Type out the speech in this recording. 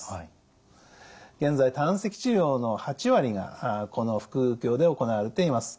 現在胆石治療の８割がこの腹腔鏡で行われています。